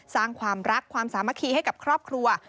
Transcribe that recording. สร้างความรักความสามัคคีให้กับครอบครัว